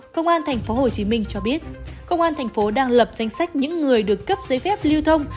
công an tp hcm cho biết công an thành phố đang lập danh sách những người được cấp giấy phép lưu thông